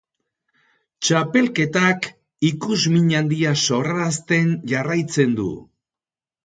Txapelketak ikusmin handia sorraratzen jarraitzen du.